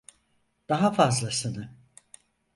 Daha fazlasını.